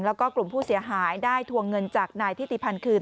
แล้วก็กลุ่มผู้เสียหายได้ทวงเงินจากนายทิติพันธ์คืน